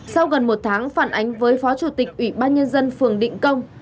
sau gần một tháng phản ánh với phó chủ tịch ủy ban nhân dân phường định công